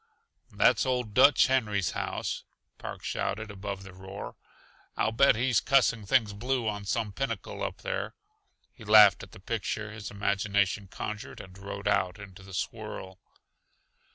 "That's old Dutch Henry's house," Park shouted above the roar. "I'll bet he's cussing things blue on some pinnacle up there." He laughed at the picture his imagination conjured, and rode out into the swirl.